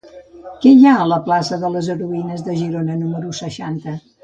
Què hi ha a la plaça de les Heroïnes de Girona número seixanta?